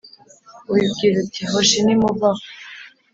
ubibwira uti «Hoshi ! Nimuve aho !»